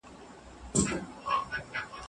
چي کبرجن ځان ته دي فکر سي مئینه۔